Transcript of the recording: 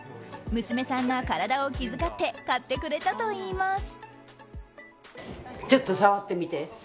娘さんが体を気遣って買ってくれたといいます。